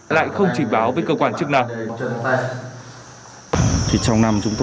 lại không trình báo với cơ quan chức năng